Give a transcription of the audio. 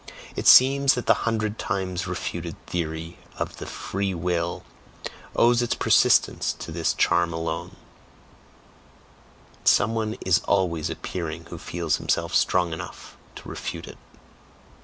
It seems that the hundred times refuted theory of the "free will" owes its persistence to this charm alone; some one is always appearing who feels himself strong enough to refute it.